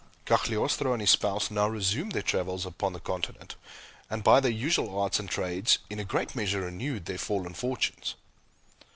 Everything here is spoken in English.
Cagliostro and his spouse now resumed their travels upon the Continent, and, by their usual arts and trades, in a great measure renewed their fallen fortunes.